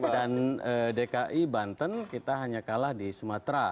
dan dki banten kita hanya kalah di sumatera